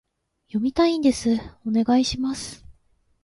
読みたいんです、お願いします